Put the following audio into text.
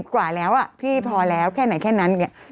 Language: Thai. ๕๐กว่าแล้วอ่ะพี่พอแล้วแค่ไหนแค่นั้นเนี่ย